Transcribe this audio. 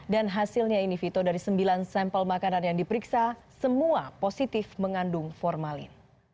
dan hasilnya ini vito dari sembilan sampel makanan yang diperiksa semua positif mengandung formalin